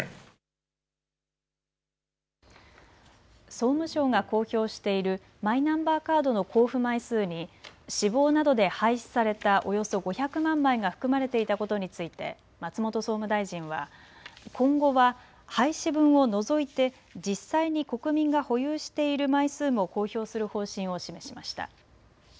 総務省が公表しているマイナンバーカードの交付枚数に死亡などで廃止されたおよそ５００万枚が含まれていたことについて松本総務大臣は今後は廃止分を除いて実際に国民が保有している枚数も公表する方針を示しました。